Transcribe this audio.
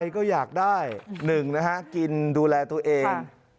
ใครก็อยากได้๑กินดูแลตัวเอง